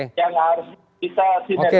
ini yang harus bisa disiset